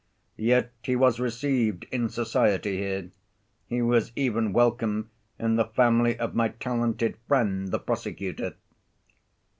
Yet he was received in society here; he was even welcome in the family of my talented friend, the prosecutor."